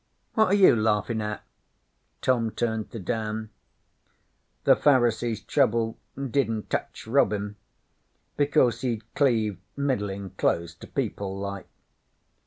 What are you laughin' at?' Tom turned to Dan. 'The Pharisees's trouble didn't tech Robin, because he'd cleaved middlin' close to people, like.